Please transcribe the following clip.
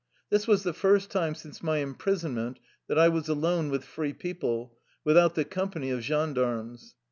This was the first time since my imprisonment that I was alone with free people, without the company of gen darmes.